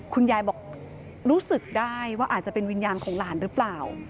คุณยายบอกรู้สึกได้ว่าอาจจะเป็นวิญญาณของหลานหรือเปล่า